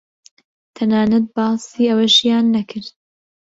تەنانەت باسی ئەوەشیان نەکرد